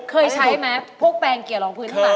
เคยใช้ไหมพวกแป้งเกลี่ยรองพื้นออกมาให้นี้